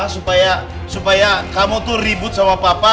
supaya kamu tuh ribut sama papa